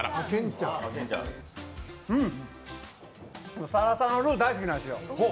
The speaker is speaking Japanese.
うん、サラサラのルー大好きなんですよ。